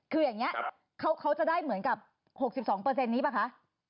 คืออย่างนี้เขาจะได้เหมือนกับ๖๒นี้ป่ะคะ